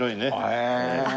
へえ。